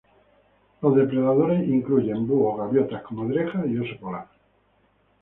Los depredadores incluyen búhos, gaviotas, comadrejas, y oso polar.